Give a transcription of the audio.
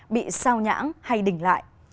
bị sao nhãng hay đỉnh lại